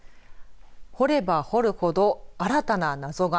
掘れば掘るほど新たなナゾが！